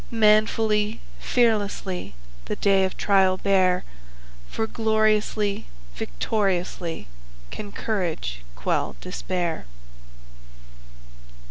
Manfully, fearlessly, The day of trial bear, For gloriously, victoriously, Can courage quell despair!